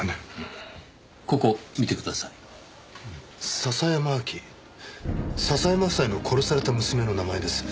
笹山夫妻の殺された娘の名前です。